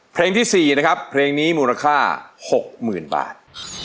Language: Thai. เพลงที่๔นะครับเพลงนี้มูลค่า๖๐๐๐บาท